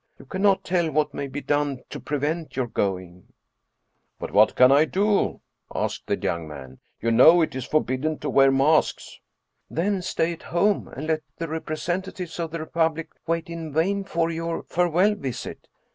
You cannot tell what may be done to prevent your going." " But what can I do ?" asked the young man. " You know it is forbidden to wear masks." " Then stay at home, and let the representatives of the Republic wait in vain for your farewell visit.